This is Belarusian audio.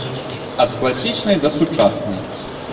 Ад класічнай да сучаснай.